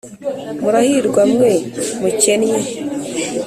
Murahirwa mwe mukennye